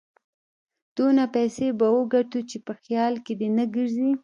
دونه پيسې به وګټو چې په خيال کې دې نه ګرځي.